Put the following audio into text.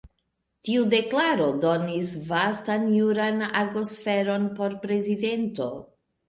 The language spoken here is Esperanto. Tiu deklaro donis vastan juran agosferon por prezidento..